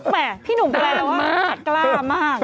แม่พี่หนุ่มแปลว่ากล้ามาก